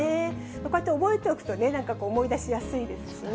こうやって覚えておくとね、なんか思い出しやすいですしね。